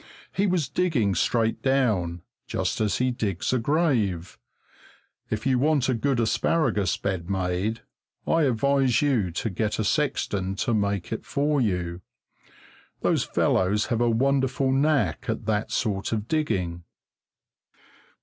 He was digging straight down, just as he digs a grave; if you want a good asparagus bed made, I advise you to get a sexton to make it for you. Those fellows have a wonderful knack at that sort of digging.